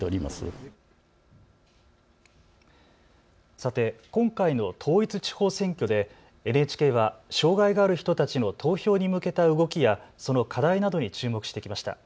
さて、今回の統一地方選挙でＮＨＫは障害がある人たちの投票に向けた動きやその課題などに注目してきました。